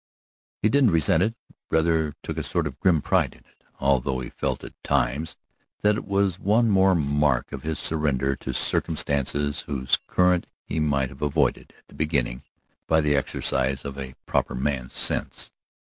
He didn't resent it, rather took a sort of grim pride in it, although he felt at times that it was one more mark of his surrender to circumstances whose current he might have avoided at the beginning by the exercise of a proper man's sense.